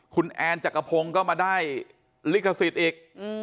คุณแอนจักรพงศ์ก็มาได้ลิขสิทธิ์อีก